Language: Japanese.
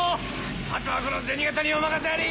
あとはこの銭形にお任せあれ！